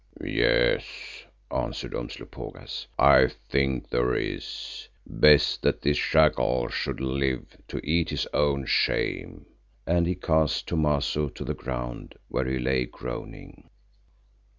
"Yes," answered Umslopogaas, "I think there is. Best that this jackal should live to eat his own shame," and he cast Thomaso to the ground, where he lay groaning.